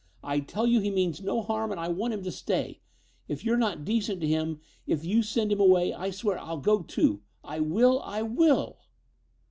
I tell you he means no harm and I want him to stay. If you're not decent to him, if you send him away, I swear I'll go too. I will I will!"